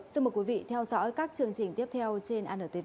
xin mời quý vị theo dõi các chương trình tiếp theo trên antv